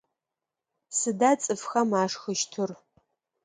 Сыда цӏыфхэм ашхыщтыр?